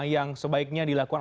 yang sebaiknya dilakukan